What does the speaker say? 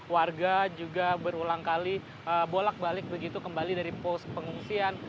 warga juga berulang kali bolak balik begitu kembali dari pos pengungsian